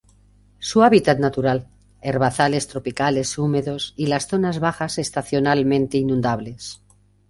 Su hábitat natural herbazales tropicales húmedos y las zonas bajas estacionalmente inundables.